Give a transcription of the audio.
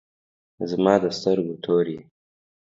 زما د سترګو تور یی